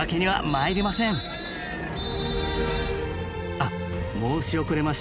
あっ申し遅れました。